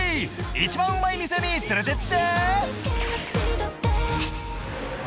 一番うまい店に連れてって！